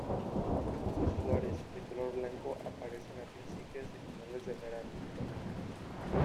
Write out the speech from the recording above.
Sus flores, de color blanco, aparecen a principios y finales del verano.